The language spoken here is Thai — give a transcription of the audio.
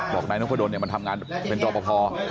บอกนายนพะดนมันทำงานเป็นตัวพอ